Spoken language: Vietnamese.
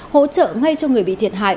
hỗ trợ ngay cho người bị thiệt hại